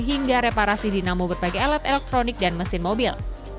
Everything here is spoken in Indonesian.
hingga reparasi dinamo berbagai alat elektronik dan mesin mobil